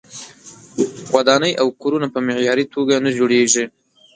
ودانۍ او کورونه په معیاري توګه نه جوړیږي.